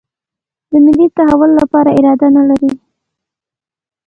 د ملي تحول لپاره اراده نه لري.